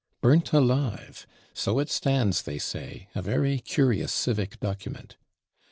Burnt alive; so it stands, they say: a very curious civic document.